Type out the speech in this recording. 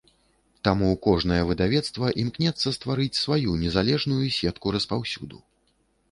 Таму кожнае выдавецтва імкнецца стварыць сваю незалежную сетку распаўсюду.